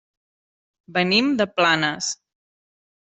Venim de Planes.